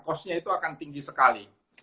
kosnya itu akan tinggi sekali